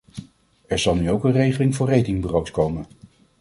Er zal nu ook een regeling voor ratingbureaus komen.